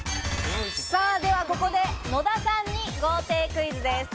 ではここで、野田さんに豪邸クイズです。